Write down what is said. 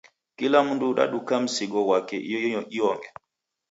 Kila mndu udaghuduka msigo ghwake iyonge.